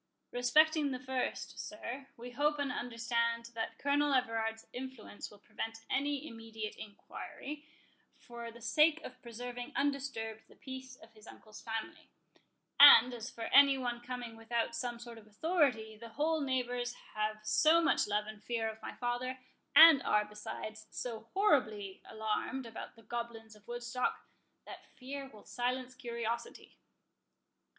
"Respecting the first, sir, we hope and understand that Colonel Everard's influence will prevent any immediate enquiry, for the sake of preserving undisturbed the peace of his uncle's family; and as for any one coming without some sort of authority, the whole neighbours have so much love and fear of my father, and are, besides, so horribly alarmed about the goblins of Woodstock, that fear will silence curiosity."